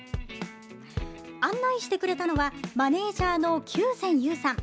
案内してくれたのはマネージャーの給前優さん。